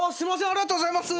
ありがとうございます。